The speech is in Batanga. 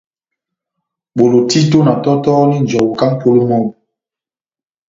Bolo títo na tɔtɔhɔni njɔwu kahá mʼpolo mɔ́bu.